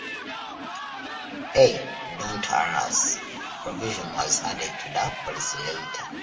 A "Don't Harass" provision was added to the policy later.